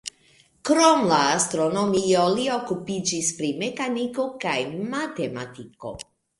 Krom la astronomio li okupiĝis pri mekaniko kaj matematiko.